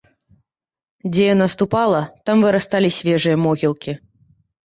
Дзе яна ступала, там вырасталі свежыя могілкі.